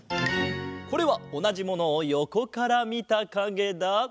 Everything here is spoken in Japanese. これはおなじものをよこからみたかげだ。